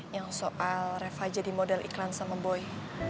yang soal reva jadi model iklan sama boy